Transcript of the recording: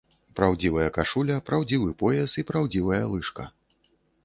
Праўдзівая кашуля, праўдзівы пояс і праўдзівая лыжка.